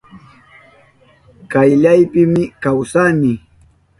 Kayllapimi kawsani.